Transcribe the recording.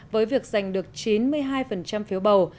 với việc giành được chín mươi hai phiếu bầu